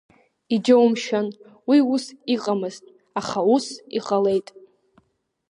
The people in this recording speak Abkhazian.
Иџьоумшьан, уи ус иҟамызт, аха ус иҟалеит…